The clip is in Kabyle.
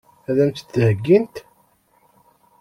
Ad m-tt-id-heggint?